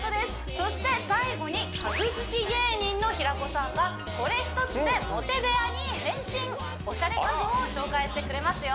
そして最後に家具好き芸人の平子さんがこれ一つでモテ部屋に変身おしゃれ家具を紹介してくれますよ